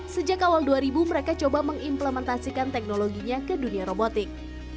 sejak awal dua ribu mereka coba mengimplementasikan teknologinya ke dunia robotik